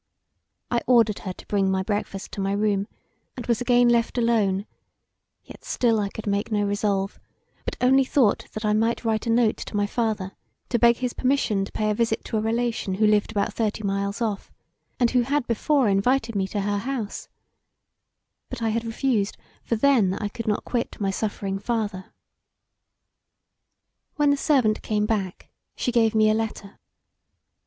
I ordered her to bring my breakfast to my room, and was again left alone yet still I could make no resolve, but only thought that I might write a note to my father to beg his permission to pay a visit to a relation who lived about thirty miles off, and who had before invited me to her house, but I had refused for then I could not quit my suffering father. When the servant came back she gave me a letter.